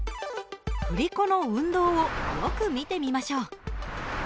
振り子の運動をよく見てみましょう。